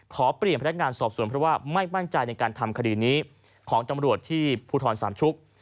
ขอเปลี่ยนพนักงานสอบสวนเพราะว่าไม่มั่นใจในการทำคดีนี้ของตำรวจที่ภูทรสามชุก